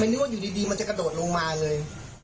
นึกว่าอยู่ดีมันจะกระโดดลงมาเลย